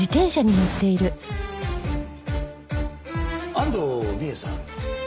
安藤美絵さん？